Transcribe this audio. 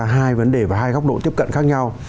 hai vấn đề và hai góc độ tiếp cận khác nhau